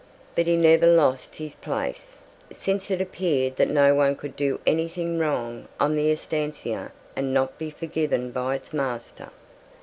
But he never lost his place, since it appeared that no one could do anything wrong on the estancia and not be forgiven by its master.